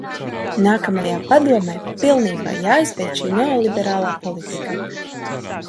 Nākamajā Padomē pilnībā jāizbeidz šī neoliberālā politika.